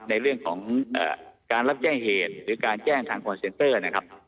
ในเรื่องของการรับแจ้งเหตุหรือการแจ้งทางคอนเซนเตอร์นะครับ